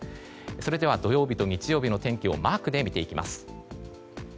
それでは土曜日と日曜日の天気をマークで見ていきます。